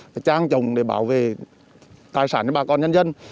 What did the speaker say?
và trang trọng để bảo vệ tài sản cho bà con nhân dân